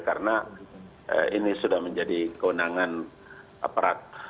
karena ini sudah menjadi keundangan peraturan